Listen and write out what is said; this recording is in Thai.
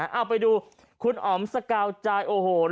เอาไปดูคุณอ๋อมสกาวใจโอ้โห